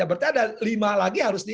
berarti ada lima lagi harus di